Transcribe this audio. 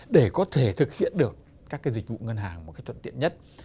để có thể thực hiện được các dịch vụ ngân hàng một cách trận tiện nhất